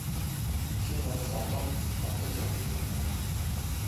Чи надад одоо болтол гомдож явдаг юм уу?